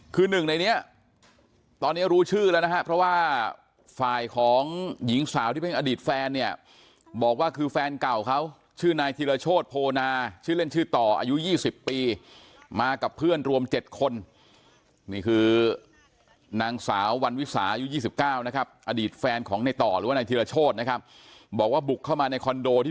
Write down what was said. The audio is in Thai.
คือหนึ่งในนี้ตอนนี้รู้ชื่อแล้วนะฮะเพราะว่าฝ่ายของหญิงสาวที่เป็นอดีตแฟนเนี่ยบอกว่าคือแฟนเก่าเขาชื่อนายธิรโชธโพนาชื่อเล่นชื่อต่ออายุ๒๐ปีมากับเพื่อนรวม๗คนนี่คือนางสาววันวิสาอายุ๒๙นะครับอดีตแฟนของในต่อหรือว่านายธิรโชธนะครับบอกว่าบุกเข้ามาในคอนโดที่